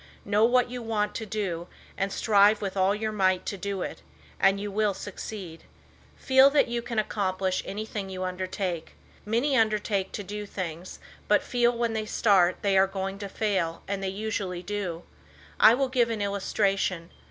Know what you want to do, and strive with all your might to do it, and you will succeed. Feel that you can accomplish anything you undertake. Many undertake to do things, but feel when they start they are going to fail and usually they do. I will give an illustration.